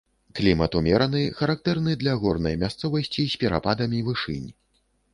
Клімат умераны, характэрны для горнай мясцовасці з перападамі вышынь.